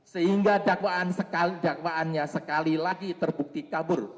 sehingga dakwaannya sekali lagi terbukti kabur